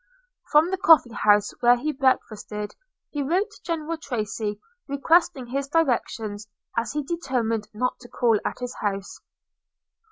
From the coffee house where he breakfasted he wrote to General Tracy, requesting his directions, as he determined not to call at his house.